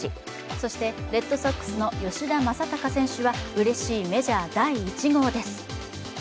そして、レッドソックスの吉田正尚選手はうれしいメジャー第１号です。